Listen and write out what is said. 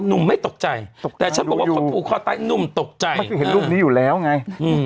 หนุ่มไม่ตกใจแต่ฉันบอกว่าคนผูกคอตายหนุ่มตกใจมันก็เห็นรูปนี้อยู่แล้วไง